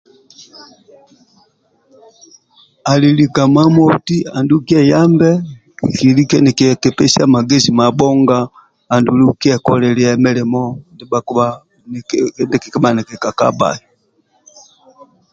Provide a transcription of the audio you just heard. Ali lika mamoti andulu kyeyambe kilike niki kiepesie magezi mabhonga andulu kiekolile milimo ndia bhakibha nikikakabhai